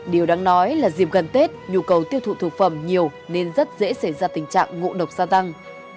điều đáng nói là dịp gần tết nhu cầu tiêu thụ thực phẩm nhiều nên rất dễ xảy ra tình trạng ngộ độc gia tăng